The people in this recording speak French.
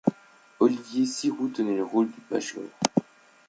Olivier Siroux tenait le rôle du Bachelor.